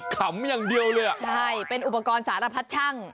ขำอย่างเดียวเลยอ่ะใช่เป็นอุปกรณ์สารพัดช่าง